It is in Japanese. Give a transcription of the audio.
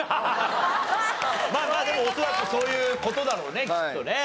でも恐らくそういう事だろうねきっとね。